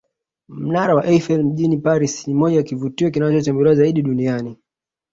Mnara wa Eifel mjini Paris ni mmoja ya kivutio kinachotembelewa zaidi duniani